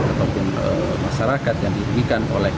ataupun masyarakat yang diberikan oleh